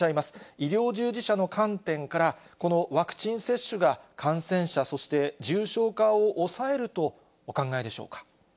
医療従事者の観点から、このワクチン接種が感染者、そして重症化を抑えるとお考えでしょうか。